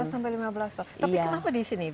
tapi kenapa di sini